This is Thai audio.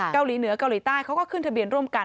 เกาหลีเหนือเกาหลีใต้เขาก็ขึ้นทะเบียนร่วมกัน